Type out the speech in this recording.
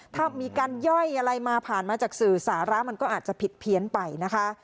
ถ้ามีการย่อยอะไรมาผ่านมาจากสื่อสาระมันก็อาจจะผิดเพี้ยนไปนะคะ